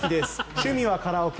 趣味はカラオケ。